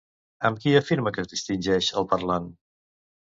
Amb qui afirma que es distingeix, el parlant?